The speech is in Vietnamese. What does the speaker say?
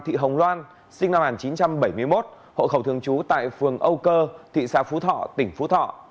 thị hồng loan sinh năm một nghìn chín trăm bảy mươi một hộ khẩu thường trú tại phường âu cơ thị xã phú thọ tỉnh phú thọ